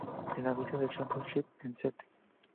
En el Visa Championships en St.